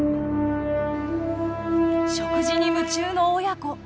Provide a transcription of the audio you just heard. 食事に夢中の親子。